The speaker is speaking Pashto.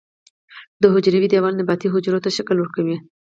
د حجرې دیوال نباتي حجرو ته شکل ورکوي